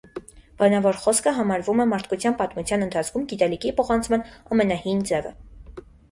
Բանավոր խոսքը համարվում է մարդկության պատմության ընթացքում գիտելիքի փոխանցման ամենահին ձևը։